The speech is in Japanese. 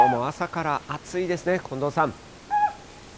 さあ、きょうも朝から暑いですね、近藤さん。